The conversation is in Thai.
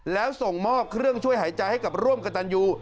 แล้วส่งมอบเครื่องช่วยหายใจให้กับร่วมกระตันยู